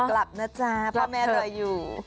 กลับนะจ๊ะพ่อแม่รออยู่